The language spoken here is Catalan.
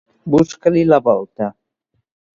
Buscar-li la volta.